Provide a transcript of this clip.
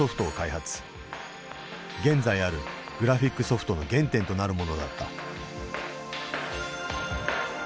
現在あるグラフィックソフトの原点となるものだった。